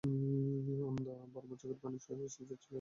আনন্দে বারবার চোখে পানি এসে যাচ্ছিল ভাই সাহেব!